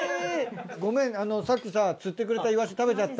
ごめんさっきさ釣ってくれたイワシ食べちゃった。